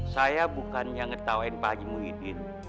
saya bukan yang ngetawain pak haji muhyiddin